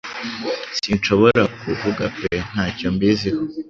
Sinshobora kuvuga pe ntacyo mbizi ho